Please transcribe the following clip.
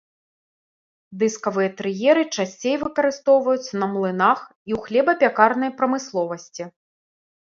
Дыскавыя трыеры часцей выкарыстоўваюцца на млынах і ў хлебапякарнай прамысловасці.